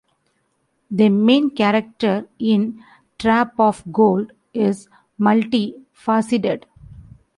The main character in "Trap of Gold" is multi-faceted.